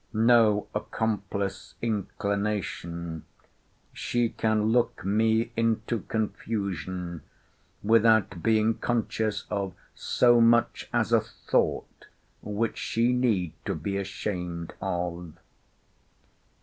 No accomplice inclination. She can look me into confusion, without being conscious of so much as a thought which she need to be ashamed of.